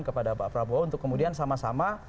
kepada pak prabowo untuk kemudian sama sama